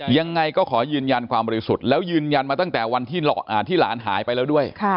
ยังไงก็ขอยืนยันความบริสุทธิ์แล้วยืนยันมาตั้งแต่วันที่หลานหายไปแล้วด้วย